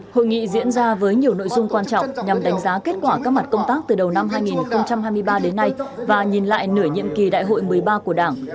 hội nghị diễn ra với nhiều nội dung quan trọng nhằm đánh giá kết quả các mặt công tác từ đầu năm hai nghìn hai mươi ba đến nay và nhìn lại nửa nhiệm kỳ đại hội một mươi ba của đảng